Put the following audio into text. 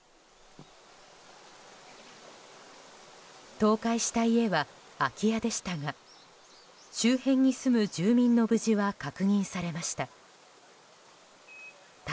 倒壊した家は空き家でしたが周辺に住む住民の無事は確認されました。